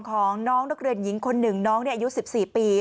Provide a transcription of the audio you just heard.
ของน้องรกเรียนหญิงคน๑น้องอายุ๑๔ปี